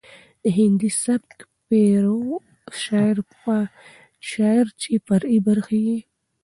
د هندي سبک پيرو شاعر چې فرعي برخې يې